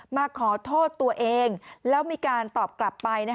มาขอโทษตัวเองแล้วมีการตอบกลับไป